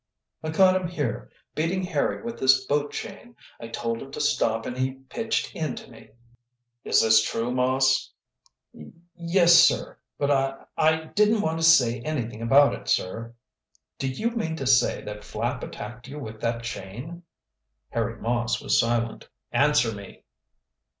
"I caught him here, beating Harry with this boat chain. I told him to stop and then he pitched into me." "Is this true, Moss?" "Ye yes, sir, but I I didn't want to say anything about it, sir." "Do you mean to say that Flapp attacked you with that chain?" Harry Moss was silent. "Answer me."